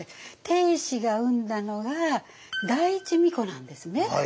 定子が産んだのが第一皇子なんですね。